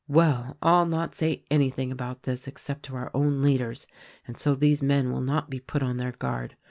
"Well, I'll not say anything about this except to our own leaders; and so these men will not be put on their guard.